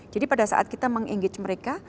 jadi pada saat kita meng engage mereka